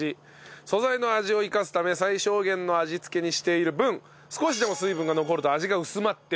素材の味を生かすため最小限の味付けにしている分少しでも水分が残ると味が薄まってしまうと。